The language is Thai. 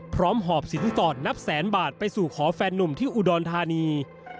หอบสินสอดนับแสนบาทไปสู่ขอแฟนนุ่มที่อุดรธานี